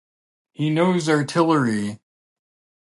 He knows artillery!